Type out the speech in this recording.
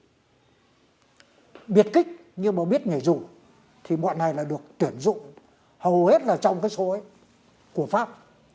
nhưng biệt kích nhưng mà biết nhảy dù thì bọn này là được tuyển dụng hầu hết là trong cái số ấy của pháp